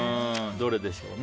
どれでしょうね。